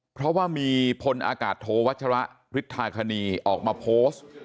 เพราะว่ามีพลอากาศโทวัชระฤทธาคณีออกมาโพสต์